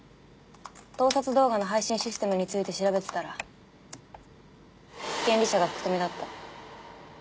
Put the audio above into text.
盗撮動画の配信システムについて調べてたら権利者が福富だった。